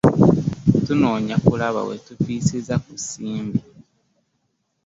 Tunoonya kulaba we tufissiza ku nsimbi.